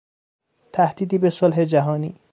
تهدیدی به صلح جهانی